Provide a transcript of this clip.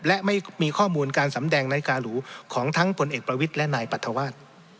และไม่มีข้อมูลการสำแดงนาฬิกาหรูของทั้งผลเอกประวิทย์และนายปรัฐวาส